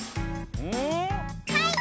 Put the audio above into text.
はい！